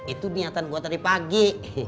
itu niatan gue tadi pagi